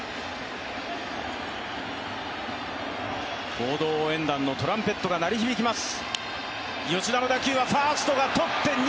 合同応援団のトランペットが鳴り響きます。